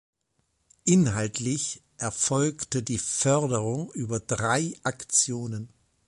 Inhaltlich erfolgte die Förderung über drei „Aktionen“.